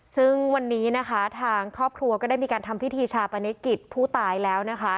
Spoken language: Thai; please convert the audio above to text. ซึ่งวันนี้นะคะทางครอบครัวก็ได้มีการทำพิธีชาปนกิจผู้ตายแล้วนะคะ